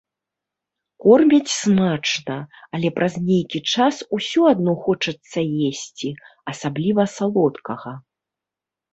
Кормяць смачна, але праз нейкі час усё адно хочацца есці, асабліва салодкага.